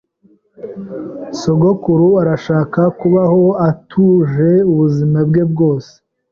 Sogokuru arashaka kubaho atuje ubuzima bwe bwose.